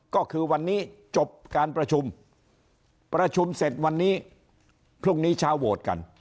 ก็คือวันนี้จบการประชุมประชุมเสร็จวันนี้พรุ่งนี้เช้าโหวตกัน